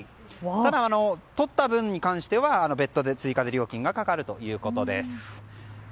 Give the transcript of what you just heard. ただ、とった分に関しては別途、追加で料金がかかるということです。